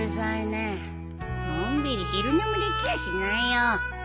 のんびり昼寝もできやしないよ。